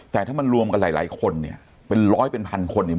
แต่ถ้ามันรวมกันหลายหลายคนเนี่ยเป็นร้อยเป็นพันคนเนี่ย